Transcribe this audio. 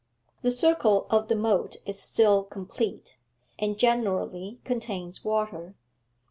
The circle of the moat is still complete, and generally contains water.